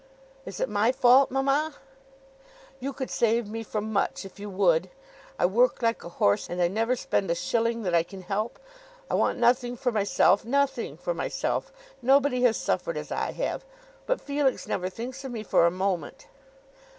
"Is it my fault, mamma?" "You could save me from much if you would. I work like a horse, and I never spend a shilling that I can help. I want nothing for myself, nothing for myself. Nobody has suffered as I have. But Felix never thinks of me for a moment."